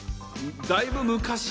だいぶ昔。